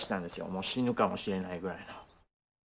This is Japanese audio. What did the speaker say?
もう死ぬかもしれないぐらいの。